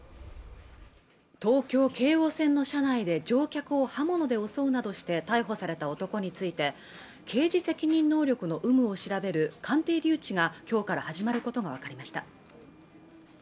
東京京王線の車内で乗客を刃物で襲うなどして逮捕された男について刑事責任能力の有無を調べる鑑定留置が今日から始まることが分かりました